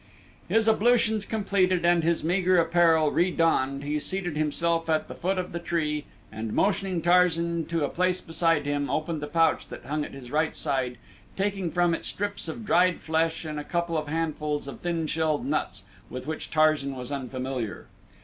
His ablutions completed and his meager apparel redonned he seated himself at the foot of the tree and motioning Tarzan to a place beside him, opened the pouch that hung at his right side taking from it strips of dried flesh and a couple of handfuls of thin shelled nuts with which Tarzan was unfamiliar.